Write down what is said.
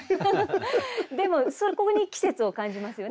でもそこに季節を感じますよね。